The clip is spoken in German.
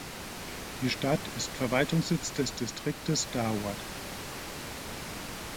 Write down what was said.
Die Stadt ist Verwaltungssitz des Distriktes Dharwad.